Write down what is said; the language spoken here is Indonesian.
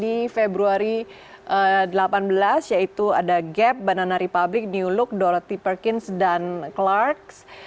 sampai jumpa di februari dua ribu delapan belas yaitu ada gap banana republic new look dorothy perkins dan clarks